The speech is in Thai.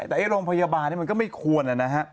แต่ลองพยาบาลมันก็ไม่ควร